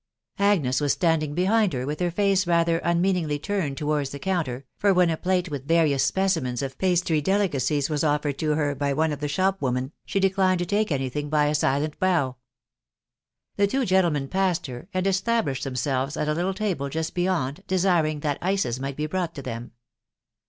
Agnes was standing behind her, with her face ratLer un meaningly turned towards the counter, for when a plate witk various specimens of pastry delicacies was offered to* her by one of the shopwomen^ she declined to take anything by Jfc silent bow. The two gentlemen passed her, and established themselves at a little table just beyond, desiring that ices might be brought! • to them.